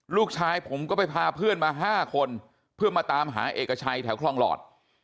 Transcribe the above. ลูกชายผมก็ไปพาเพื่อนมา๕คนเพื่อมาตามหาเอกชัยแถวคลองหลอด